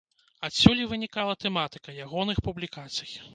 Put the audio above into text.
Адсюль вынікала і тэматыка ягоных публікацый.